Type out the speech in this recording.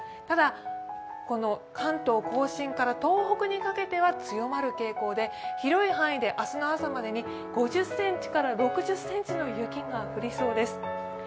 ただ、関東甲信から東北にかけては強まる傾向で広い範囲で明日の朝までに５０ｃｍから６０ｃｍの雪が降りそうです。